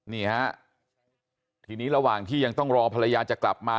นี่ฮะทีนี้ระหว่างที่ยังต้องรอภรรยาจะกลับมา